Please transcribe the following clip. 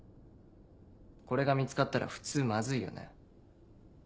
これが見つかったら普通マズいよね。